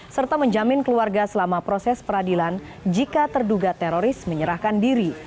serta menjamin keluarga selama proses peradilan jika terduga teroris menyerahkan diri